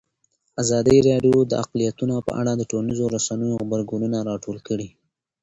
ازادي راډیو د اقلیتونه په اړه د ټولنیزو رسنیو غبرګونونه راټول کړي.